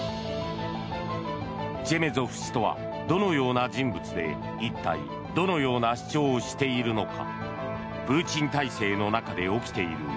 チェメゾフ氏とはどのような人物で一体、どのような主張をしているのか。